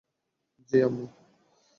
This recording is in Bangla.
জ্বি, আম্মু।